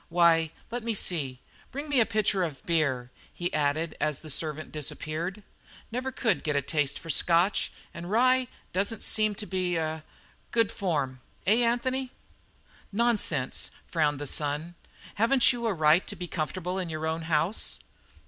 Why, let me see bring me a pitcher of beer." He added as the servant disappeared: "Never could get a taste for Scotch, and rye doesn't seem to be er good form. Eh, Anthony?" "Nonsense," frowned the son, "haven't you a right to be comfortable in your own house?"